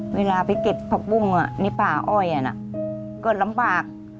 เวลาไปเก็บผักบุ้งในป่าอ้อยก็ลำบาก